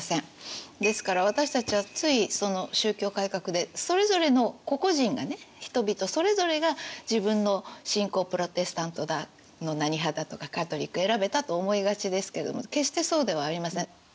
ですから私たちはついその宗教改革でそれぞれの個々人がね人々それぞれが自分の信仰プロテスタントだの何派だとかカトリック選べたと思いがちですけども決してそうではありません。